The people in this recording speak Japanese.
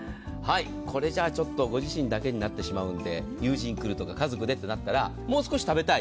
これじゃあちょっとご自身だけになってしまうので友人が来る家族でとなったらもう少し食べたい。